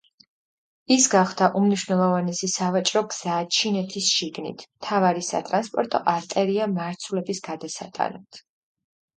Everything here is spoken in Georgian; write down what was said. ის გახდა უმნიშვნელოვანესი სავაჭრო გზა ჩინეთის შიგნით, მთავარი სატრანსპორტო არტერია მარცვლების გადასატანად.